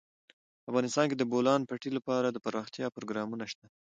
افغانستان کې د د بولان پټي لپاره دپرمختیا پروګرامونه شته.